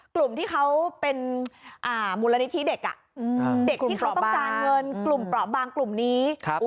กลุ่มที่เขาเป็นมูลนิธิเด็กเด็กที่เขาต้องการเงินกลุ่มเปราะบางกลุ่มนี้